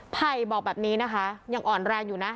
ไผ่บอกแบบนี้นะคะยังอ่อนแรงอยู่นะ